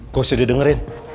gue sudah dengerin